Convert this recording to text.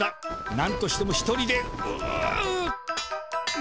なんとしても一人でうう。